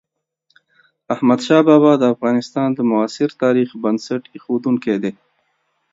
احمدشاه بابا د افغانستان د معاصر تاريخ بنسټ اېښودونکی دی.